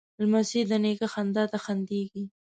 لمسی د نیکه خندا ته خندېږي.